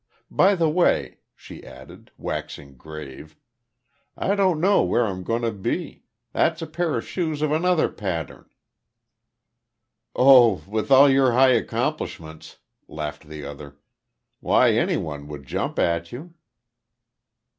By the way," she added, waxing grave. "I don't know where I'm going to be. That's a pair of shoes of another pattern." "Oh, with all your high accomplishments," laughed the other. "Why any one would jump at you."